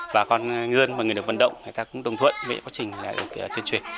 và con dân và người đồng vận động người ta cũng đồng thuận với quá trình tuyên truyền